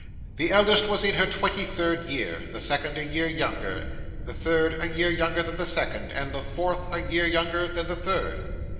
The eldest was in her twenty third year, the second a year younger, the third a year younger than the second, and the fourth a year younger than the third.